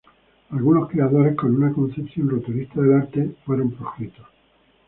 Algunos creadores con una concepción rupturista del arte fueron proscritos.